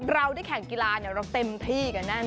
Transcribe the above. เราได้แข่งกีฬาเราเต็มที่กันแน่นอ